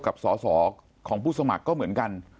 กับสอสอของผู้สมัครก็เหมือนกัน